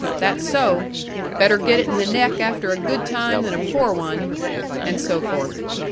"that's so! Better get it in the neck after a good time than a poor one." And so forth.